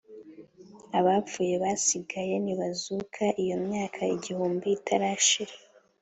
Abapfuye basigaye ntibazuka, iyo myaka igihumbi itarashira.